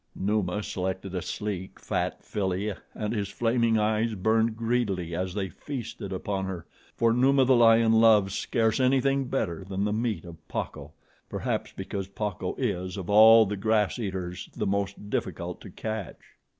Numa selected a sleek, fat filly and his flaming eyes burned greedily as they feasted upon her, for Numa, the lion, loves scarce anything better than the meat of Pacco, perhaps because Pacco is, of all the grass eaters, the most difficult to catch.